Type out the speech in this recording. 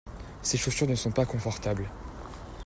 Ces chaussures ne sont pas confortables.